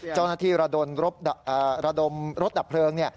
เจ้าหน้าที่ระดมรถดับเพลิง